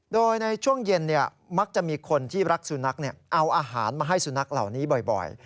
โดยในช่วงเย็นมักจะมีคนที่รักสุนัขเอาอาหารมาให้สุนัขเหล่านี้บ่อย